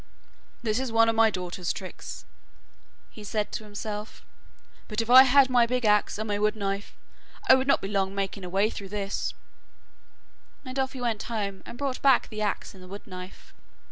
'This is one of my daughter's tricks,' he said to himself, 'but if I had my big axe and my wood knife, I would not be long making a way through this,' and off he went home and brought back the axe and the wood knife.